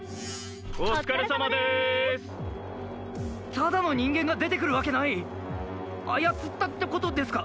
お疲れさまでーすただの人間が出てくるわけない操ったってことですか？